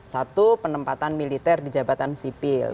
satu penempatan militer di jabatan sipil